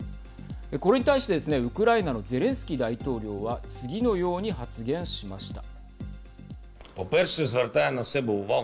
これに対してですねウクライナのゼレンスキー大統領は次のように発言しました。